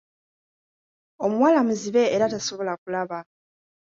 Omuwala muzibe era tasobola kulaba.